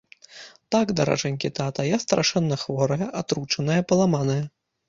Так, даражэнькі тата, я страшэнна хворая, атручаная, паламаная.